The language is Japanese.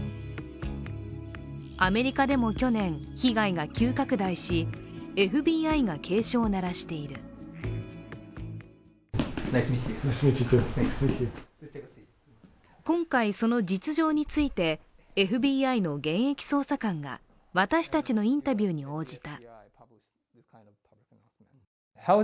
アメリカでも去年、被害が急拡大しＦＢＩが警鐘を鳴らしている今回、その実情についてＦＢＩの現役捜査官が私たちのインタビューに応じた。